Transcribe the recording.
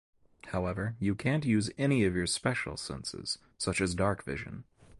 However, you can’t use any of your special senses, such as darkvision.